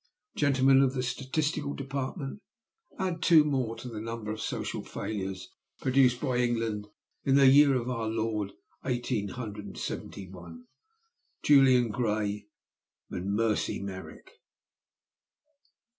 Gentlemen of the Statistical Department, add two more to the number of social failures produced by England in the year of our Lord eighteen hundred and seventy one Julian Gray and Mercy Merrick."